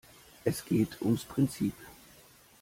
Es geht ums Prinzip.